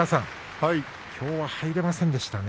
きょうは入れませんでしたね